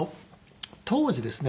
当時ですね